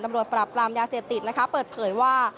ตำรวจปราบปรามยาเสพติดนะคะเปิดเผยว่า